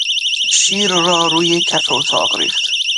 شیر را روی کف اتاق ریخت.